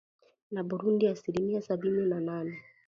na Burundi asilimia sabini na nane